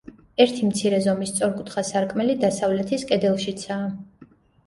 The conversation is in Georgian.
ერთი მცირე ზომის სწორკუთხა სარკმელი დასავლეთის კედელშიცაა.